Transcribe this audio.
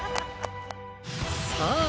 さあ